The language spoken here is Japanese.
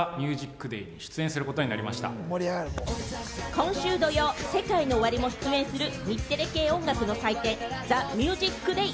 今週土曜、ＳＥＫＡＩＮＯＯＷＡＲＩも出演する日テレ系音楽の祭典『ＴＨＥＭＵＳＩＣＤＡＹ』。